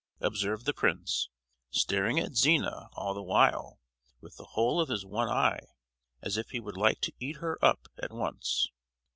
observed the prince, staring at Zina all the while with the whole of his one eye, as if he would like to eat her up at once.